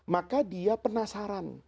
maka dia penasaran